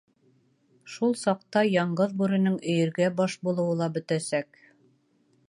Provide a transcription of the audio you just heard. Шул саҡта Яңғыҙ Бүренең өйөргә баш булыуы ла бөтәсәк.